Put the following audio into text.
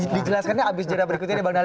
dijelaskannya abis jadwal berikutnya